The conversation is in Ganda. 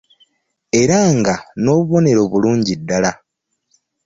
Era nga n'obubonero bulungi ddala